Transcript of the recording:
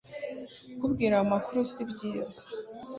kukubwira aya makuru sibyiza